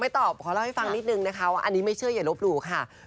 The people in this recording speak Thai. ตอบขอเล่าให้ฟังนิดนึงนะคะว่าอันนี้ไม่เชื่ออย่าลบหลู่ค่ะ